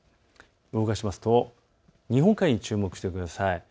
動かすと日本海に注目をしてください。